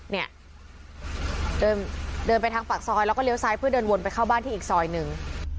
เนี่ยเดินไปทางปากซอยแล้วก็เลี้ยซ้ายเพื่อเดินวนไปเข้าบ้านที่อีกซอยหนึ่ง